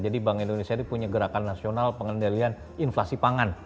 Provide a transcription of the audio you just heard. jadi bank indonesia ini punya gerakan nasional pengendalian inflasi pangan